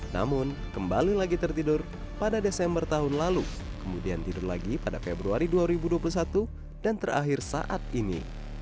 namun kembali lagi tertidur pada desember tahun lalu kemudian tidur lagi pada februari dua ribu dua puluh satu dan terakhir saat ini